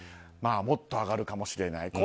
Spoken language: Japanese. もっと上がるかもしれない。